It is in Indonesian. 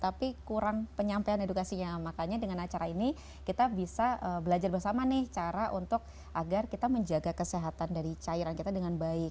tapi kurang penyampaian edukasinya makanya dengan acara ini kita bisa belajar bersama nih cara untuk agar kita menjaga kesehatan dari cairan kita dengan baik